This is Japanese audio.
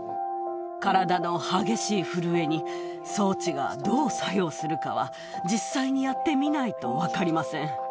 体の激しい震えに、装置がどう作用するかは、実際にやってみないと分かりません。